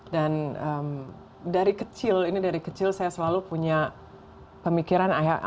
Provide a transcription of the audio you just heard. dan dari kecil ini dari kecil saya selalu punya pemikiran